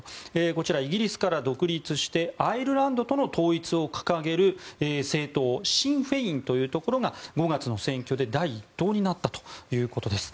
こちら、イギリスから独立してアイルランドとの統一を掲げる政党シン・フェインというところが５月の選挙で第１党になったということです。